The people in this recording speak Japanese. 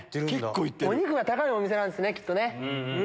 お肉が高いお店なんすねきっと。